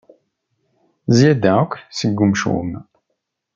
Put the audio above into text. Zzyada akk seg umcum.